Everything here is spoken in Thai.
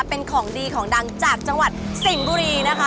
เป็นของดีของดังจากจังหวัดสิงห์บุรีนะคะ